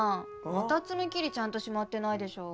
また爪切りちゃんとしまってないでしょ。